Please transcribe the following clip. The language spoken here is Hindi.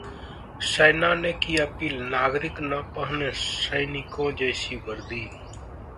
सेना ने की अपील, नागरिक ना पहनें सैनिकों जैसी वर्दी